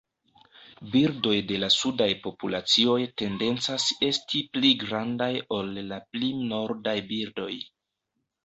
Birdoj de la sudaj populacioj tendencas esti pli grandaj ol la pli nordaj birdoj.